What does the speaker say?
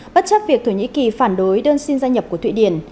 bất chấp việc thổ nhĩ kỳ phản đối đơn xin gia nhập của thụy điển